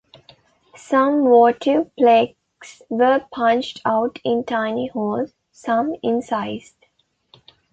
Some votive plaques were punched out in tiny holes, some incised.